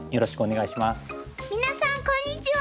皆さんこんにちは。